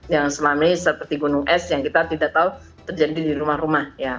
yang tsunami seperti gunung es yang kita tidak tahu terjadi di rumah rumah